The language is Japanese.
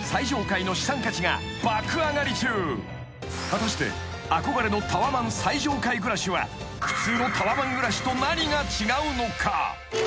［果たして憧れのタワマン最上階暮らしは普通のタワマン暮らしと何が違うのか？］